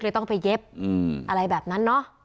ต้องไปเย็บอะไรแบบนั้นเนอะ